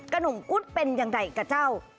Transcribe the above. หนุ่มกุ๊ดเป็นอย่างไรกับเจ้า